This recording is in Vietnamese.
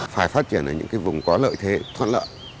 phải phát triển ở những cái vùng có lợi thế thoát lợi